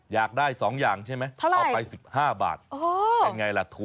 อยากได้๒อย่างใช่มั้ยเอาไป๑๕บาท